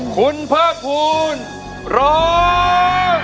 คุณพระพูลร้อง